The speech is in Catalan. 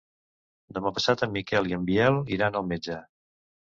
Demà passat en Miquel i en Biel iran al metge.